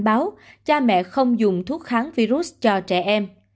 báo cha mẹ không dùng thuốc kháng virus cho trẻ em